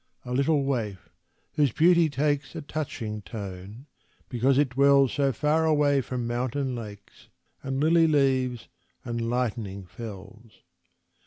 A little waif, whose beauty takes A touching tone because it dwells So far away from mountain lakes, And lily leaves, and lightening fells.